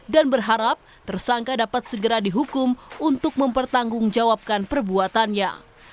dan berharap tersangka dapat segera dihukum untuk mempertanggungjawabkan perbuatannya